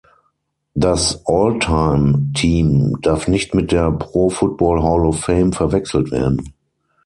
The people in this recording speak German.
Das All-Time Team darf nicht mit der Pro Football Hall of Fame verwechselt werden.